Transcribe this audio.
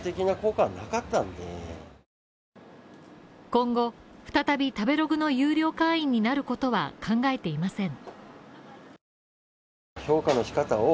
今後再び、「食べログ」の有料会員になることは考えていません。